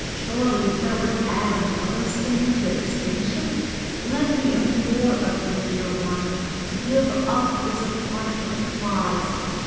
Surely that would add another sting to extinction? Let me implore of you, dear one, to give up this aquatic enterprise.